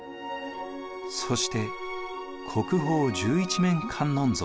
そして国宝十一面観音像。